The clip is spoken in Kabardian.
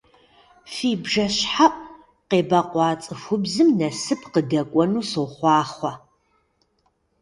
Фи бжэщхьэӀу къебэкъуа цӀыхубзым насып къыдэкӀуэну сохъуахъуэ!